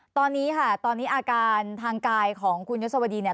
ตอนนี้ค่ะตอนนี้อาการทางกายของคุณยศวดีเนี่ย